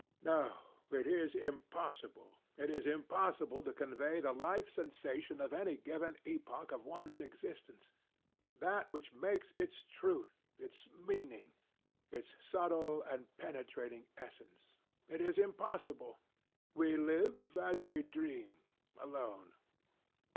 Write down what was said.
"... No, it is impossible; it is impossible to convey the life sensation of any given epoch of one's existence, that which makes its truth, its meaning its subtle and penetrating essence. It is impossible. We live, as we dream alone.